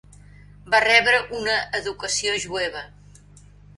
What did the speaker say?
Va rebre una educació jueva.